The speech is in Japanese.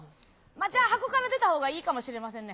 じゃあ、箱から出たほうがいいかもしれませんね。